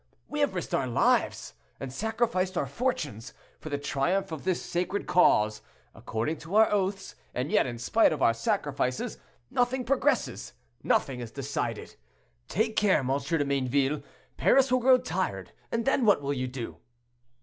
We have risked our lives, and sacrificed our fortunes, for the triumph of this sacred cause, according to our oaths, and yet, in spite of our sacrifices, nothing progresses—nothing is decided. Take care, M. de Mayneville, Paris will grow tired, and then what will you do?"